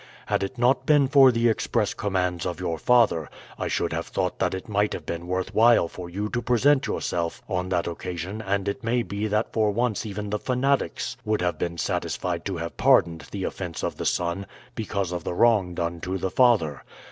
Had it not been for the express commands of your father I should have thought that it might have been worth while for you to present yourself on that occasion and it may be that for once even the fanatics would have been satisfied to have pardoned the offense of the son because of the wrong done to the father.